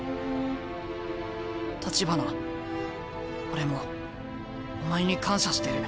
俺もお前に感謝してる。